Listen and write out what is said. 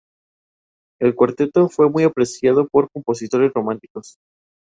El cuarteto fue muy apreciado por compositores románticos.